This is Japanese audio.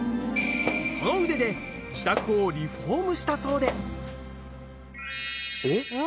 その腕で自宅をリフォームしたそうでえっ？